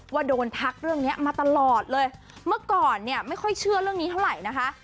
ว่าโดนทักเรื่องเนี้ยมาตลอดเลยเมื่อก่อนเนี่ยไม่ค่อยเชื่อเรื่องนี้เท่าไหร่นะคะ